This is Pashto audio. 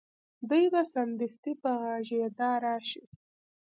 دوی به سمدستي په غږېدا راشي